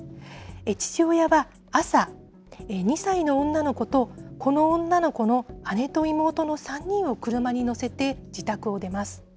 父親は朝、２歳の女の子と、この女の子の姉と妹の３人を車に乗せて自宅を出ます。